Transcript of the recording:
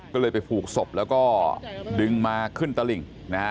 ก็เลยไปผูกศพแล้วก็ดึงมาขึ้นตะหลิ่งนะฮะ